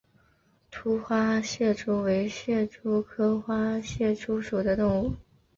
凹花蟹蛛为蟹蛛科花蟹蛛属的动物。